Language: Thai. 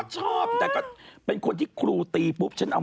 ชอบดูครูภาระชอบมาก